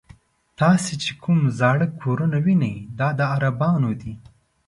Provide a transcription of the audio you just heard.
تاسې چې کوم زاړه کورونه وینئ دا د عربانو دي.